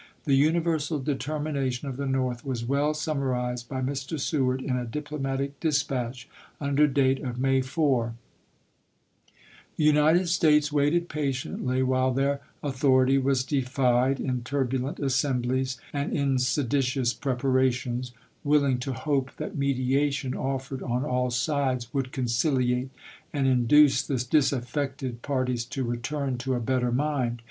The universal determination of the North was well summarized by Mr. Seward in a diplomatic dispatch under date of May 4: The United States waited patiently while their author ity was defied in turbulent assemblies and in seditious preparations, wUling to hope that mediation, offered on all sides, would concfliate and induce the disaffected par ties to return to a better mind.